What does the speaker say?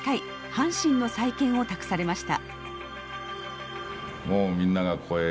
阪神の再建を託されました。